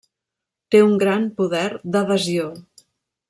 Té un gran poder d'adhesió.